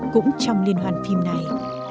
cũng trong liên hoàn phim này